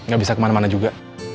gak bisa kemana mana juga